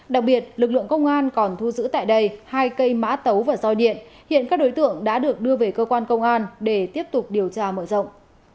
đặc biệt lực lượng công an còn thu giữ tại đây hai cây mã tấu và roi điện hiện các đối tượng đã được đưa về cơ quan công an để tiếp tục điều tra mở rộng